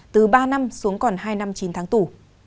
từ ba năm xuống còn hai năm chín tháng tù